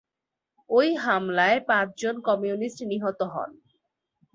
ঐ হামলায় পাঁচজন কমিউনিস্ট নিহত হন।